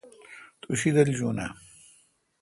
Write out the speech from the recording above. تو شیدل جون آں؟